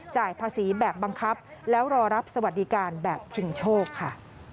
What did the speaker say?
จ่ายภาษีแบบบังคับแล้วรอรับสวัสดิการแบบชิงโชคค่ะ